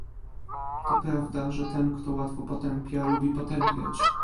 To prawda, że ten, kto łatwo potępia, lubi potępiać